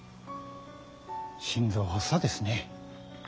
心臓発作ですね。